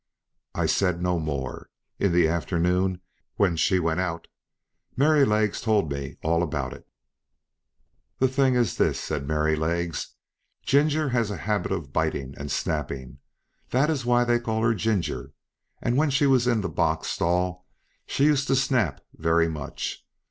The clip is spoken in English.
I said no more. In the afternoon, when she went out, Merrylegs told me all about it. "The thing is this," said Merrylegs, "Ginger has a habit of biting and snapping; that is why they call her Ginger, and when she was in the box stall, she used to snap very much.